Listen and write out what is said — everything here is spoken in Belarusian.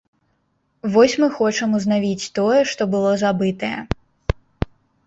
Вось мы хочам узнавіць тое, што было забытае.